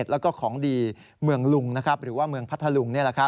แล้วก็ของดีเมืองลุงหรือว่าเมืองพัทธลุง